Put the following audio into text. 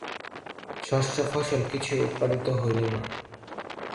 শস্য, ফসল কিছুই উৎপাদিত হইল না।